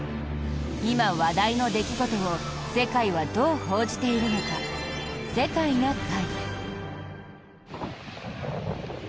今、話題の出来事を世界はどう報じているのか「世界な会」。